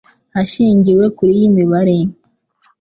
Hashingiwe kuri iyi mibare